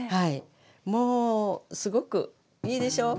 もうすごくいいでしょう。